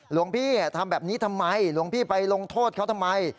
หลวงพี่ทำแบบนี้ทำไมหลวงพี่ไปลงโทษเขาทำไม